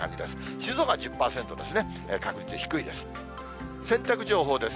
静岡は１０％ですね、確率低いです。